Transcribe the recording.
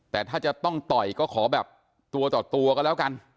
แต่ถ้าจะต้องต่อยก็ขอแบบตัวต่อตัวก็แล้วกัน